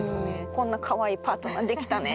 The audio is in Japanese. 「こんなかわいいパートナーできたねん」